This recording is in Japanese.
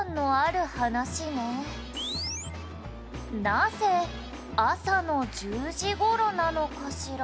「なぜ朝の１０時頃なのかしら？」